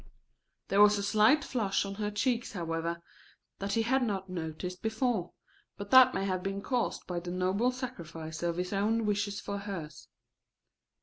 There was a slight flush on her cheeks, however, that he had not noticed before, but that may have been caused by the noble sacrifice of his own wishes for hers.